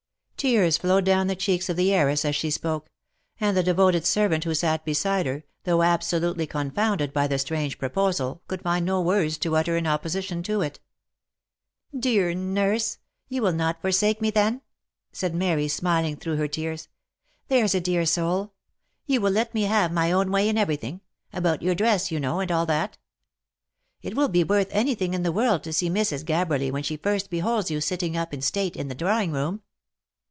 Tears flowed down the cheeks of the heiress as she spoke ; and the devoted servant who sat beside her, though absolutely con founded by the strange proposal, could find no words to utter in opposition to it. " Dear nurse !— you will not forsake me, then? "said Mary, smiling through her tears. " There's a dear soul — you will let me have my own way in everything — about your dress, you know, and all that? It will be worth any thing in the world to see Mrs. Gabberly, when she first beholds you sitting up in state in the drawing room